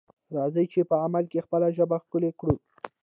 راځئ چې په عمل کې خپله ژبه ښکلې کړو.